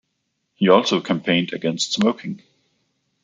He also campaigned against smoking.